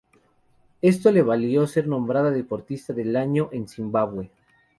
Esto le valió ser nombrada deportista del año en Zimbabue.